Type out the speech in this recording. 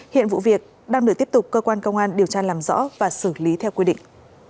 hiện vụ việc đang được tiếp tục cơ quan công an điều tra làm rõ và xử lý theo quy định